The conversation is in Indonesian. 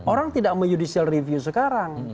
orang tidak mau judicial review sekarang